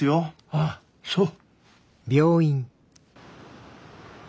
ああそう！